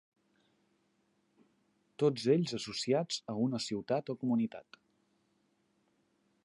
Tots ells associats a una ciutat o comunitat.